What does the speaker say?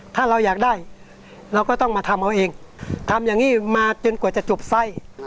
ถ้าเราอยากได้เราก็ต้องมาทำเอาเองทำอย่างนี้มาจนกว่าจะจบไส้